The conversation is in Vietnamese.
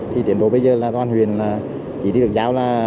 thì tiến bộ bây giờ là